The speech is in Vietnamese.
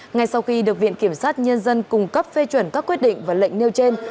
ngay sau khi được viện kiểm sát nhân dân cung cấp phê chuẩn các quyết định và lệnh nêu trên